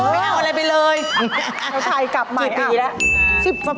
ไม่เอาอะไรไปเลยธัยกลับใหม่อ้าวดีปีแล้ว